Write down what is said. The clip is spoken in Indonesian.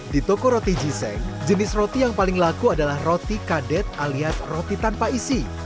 di toko roti jiseng jenis roti yang paling laku adalah roti kadet alias roti tanpa isi